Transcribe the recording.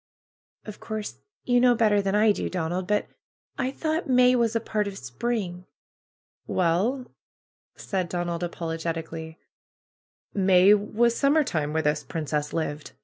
"Of course you know better than I do, Donald, but I thought May was a part of spring." "Well," said Donald, apologetically, "May was sum mer time where this princess lived.